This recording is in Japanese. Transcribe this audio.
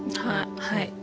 はい。